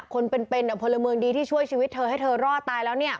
คนเป็นพลเมืองดีที่ช่วยชีวิตเธอให้เธอรอดตายแล้ว